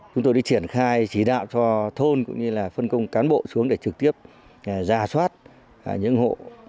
chúng tôi đã triển khai chỉ đạo cho thôn cũng như là phân công cán bộ xuống để trực tiếp ra soát những hộ